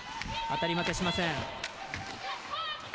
当たり負けしません。